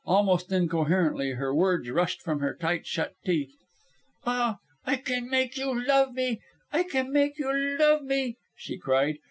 Almost incoherently her words rushed from her tight shut teeth. "Ah, I can make you love me. I can make you love me," she cried.